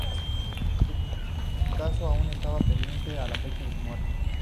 Su caso aún estaba pendiente a la fecha de su muerte.